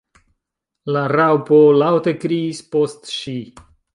La Raŭpo laŭte kriis post ŝi.